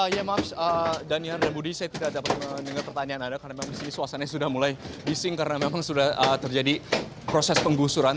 ya maaf daniar dan budi saya tidak dapat mendengar pertanyaan anda karena memang di sini suasananya sudah mulai bising karena memang sudah terjadi proses penggusuran